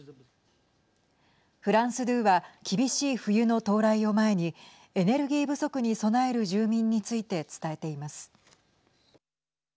フランス２は厳しい冬の到来を前にエネルギー不足に備える住民について伝えています。